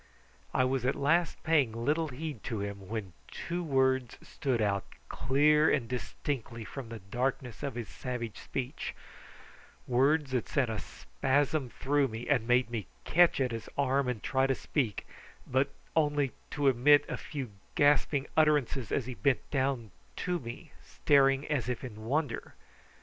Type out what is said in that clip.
I was at last paying little heed to him when two words stood out clear and distinctly from the darkness of his savage speech, words that sent a spasm through me and made me catch at his arm and try to speak, but only to emit a few gasping utterances as he bent down to me staring as if in wonder.